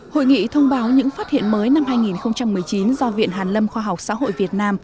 hội nghị thông báo những phát hiện mới năm hai nghìn một mươi chín do viện hàn lâm khoa học xã hội việt nam